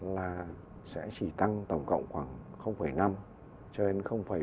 là sẽ chỉ tăng tổng cộng khoảng năm cho đến bảy mươi năm